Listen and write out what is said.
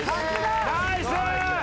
ナイス！